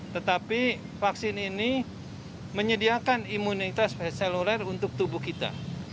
tetapi vaksin ini menyediakan imunitas seluler untuk tubuh kita